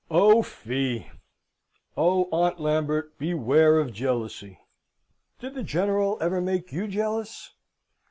O fie! Oh, Aunt Lambert, beware of jealousy! Did the General ever make you jealous?"